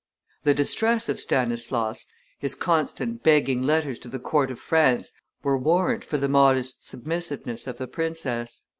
The distress of Stanislaus, his constant begging letters to the court of France, were warrant for the modest submissiveness of the princess.